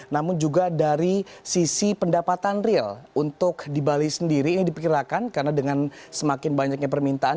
namun juga dari sisi pendapatan real untuk di bali sendiri ini diperkirakan karena dengan semakin banyaknya permintaan